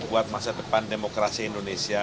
buat masa depan demokrasi indonesia